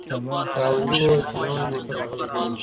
ګاونډي وویل چي نوی موټر راغلی دی.